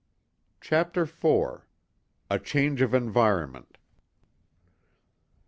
CHAPTER IV A CHANGE OF ENVIRONMENT.